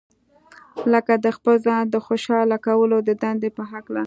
لکه د خپل ځان د خوشاله کولو د دندې په هکله.